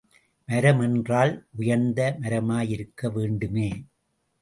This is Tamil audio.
மரம் என்றால் உயர்ந்த மரமாயிருக்க வேண்டுமே!